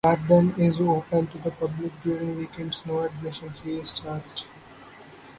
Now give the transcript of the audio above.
The garden is open to the public during weekdays; no admission fee is charged.